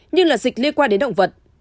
như là dịch liên quan đến động vật